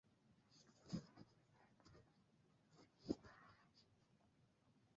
অধ্যয়ন থেকে নির্বাচিত বৈধতার সহগ নিচে দেওয়া হল।